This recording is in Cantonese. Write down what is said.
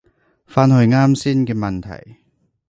返去啱先嘅問題